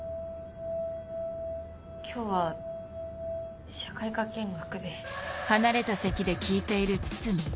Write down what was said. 今日は社会科見学で。